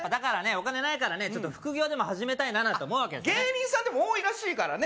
お金ないから副業でも始めたいなんて思うわけ芸人さんでも多いらしいからね